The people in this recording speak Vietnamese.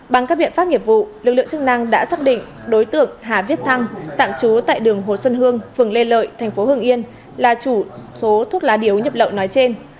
bằng các biện pháp nghiệp vụ lực lượng chức năng đã xác định đối tượng hà viết thăng tạm trú tại đường hồ xuân hương phường lê lợi thành phố hưng yên là chủ số thuốc lá điếu nhập lậu nói trên